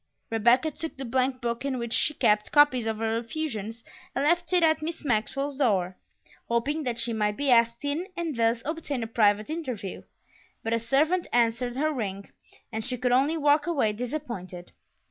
Rebecca took the blank book in which she kept copies of her effusions and left it at Miss Maxwell's door, hoping that she might be asked in and thus obtain a private interview; but a servant answered her ring, and she could only walk away, disappointed.